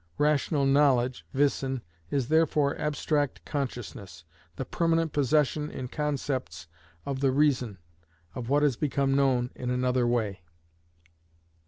Rational knowledge (wissen) is therefore abstract consciousness, the permanent possession in concepts of the reason, of what has become known in another way.